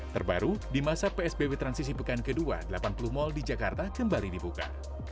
terbaru di masa psbb transisi pekan ke dua delapan puluh mal di jakarta kembali dibuka